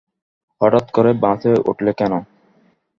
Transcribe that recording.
হঠাৎ করে বাসে উঠলে কেন?